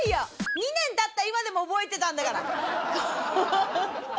２年たった今でも覚えてたんだから。